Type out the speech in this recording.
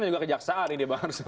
yang juga kejaksaan ini